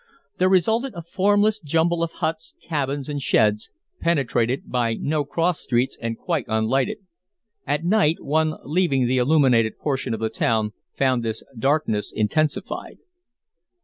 There resulted a formless jumble of huts, cabins, and sheds, penetrated by no cross streets and quite unlighted. At night, one leaving the illuminated portion of the town found this darkness intensified.